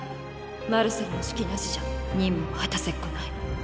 マルセルの指揮なしじゃ任務を果たせっこない。